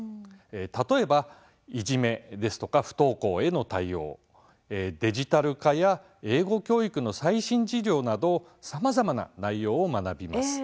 例えば、いじめ、不登校への対応デジタル化や英語教育の最新事情などさまざまな内容を学びます。